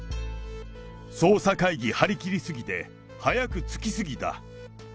捜査会議張り切りすぎて、早く着き過ぎた。